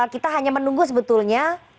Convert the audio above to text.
kita hanya menunggu sebetulnya